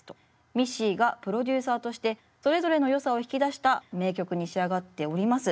ミッシーがプロデューサーとしてそれぞれのよさを引き出した名曲に仕上がっております。